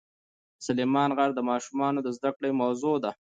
سلیمان غر د ماشومانو د زده کړې موضوع ده.